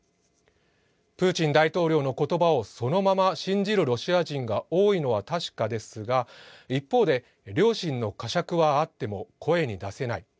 プーチン大統領の言葉をそのまま信じるロシア人が多いのは確かですが一方で良心の呵責はあっても声に出せない。